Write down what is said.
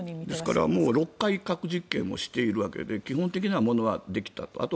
ですから、６回核実験をしているわけで基本的なものはできたと。